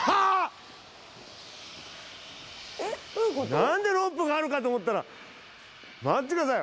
なんでロープがあるかと思ったら待ってください。